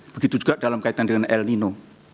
begitu juga dalam kaitan dengan el nino